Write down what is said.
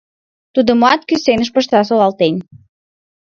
Тудымат кӱсеныш пышта солалтен.